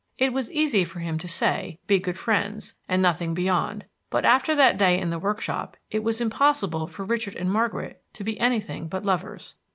It was easy for him to say, Be good friends, and nothing beyond; but after that day in the workshop it was impossible for Richard and Margaret to be anything but lovers.